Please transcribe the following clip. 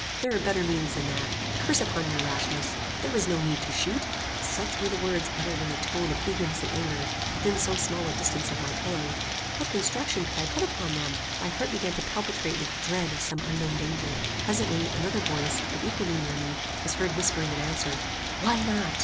there are better means than that. Curse upon your rashness! There is no need to shoot." Such were the words uttered in a tone of eagerness and anger, within so small a distance of my pillow. What construction could I put upon them? My heart began to palpitate with dread of some unknown danger. Presently, another voice, but equally near me, was heard whispering in answer. "Why not?